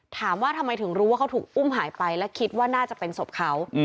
ถามว่าทำไมถึงรู้ว่าเขาถูกอุ้มหายไปและคิดว่าน่าจะเป็นศพเขา